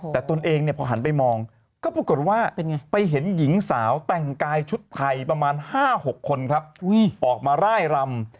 แต่ตนเองพอหันไปมองก็ปรากฏว่าไปเห็นหญิงสาวแต่งกายชุดไทยประมาณ๕๖คนครับออกมาร่ายรำ